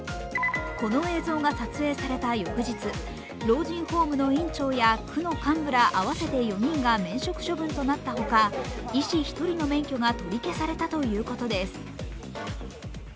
この映像が撮影された翌日、老人ホームの院長や区の幹部ら合わせて４人が免職処分となったほか、医師１人の免許が取り消されたということです。